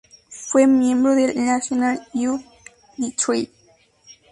Fue miembro del "National Youth Theatre".